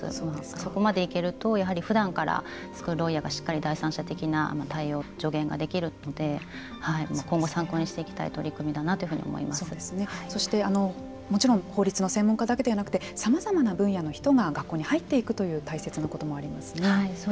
そこまでいけるとふだんからスクールロイヤーがしっかり第三者的な対応助言ができるので参考にしていきたい取り組みだなというふうにそしてもちろん法律の専門家だけではなくてさまざまな分野の人が学校に入っていくという大切なこともありますね。